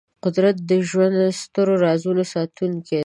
قدرت د ژوند د سترو رازونو ساتونکی دی.